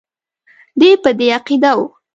دی په دې عقیده وو.